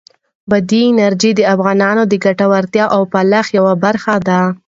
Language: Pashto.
بادي انرژي د افغانانو د ګټورتیا او فلاح یوه برخه ده.